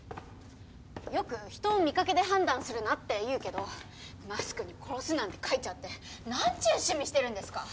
よく人を見掛けで判断するなって言うけどマスクに「殺す」なんて書いちゃってなんちゅう趣味してるんですか？